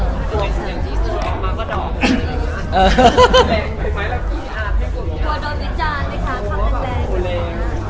กลัวดอสริจาลนะคะภาพแรง